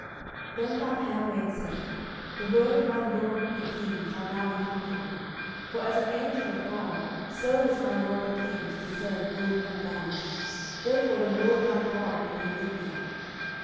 10:014:017 Then thine handmaid said, The word of my lord the king shall now be comfortable: for as an angel of God, so is my lord the king to discern good and bad: therefore the LORD thy God will be with thee.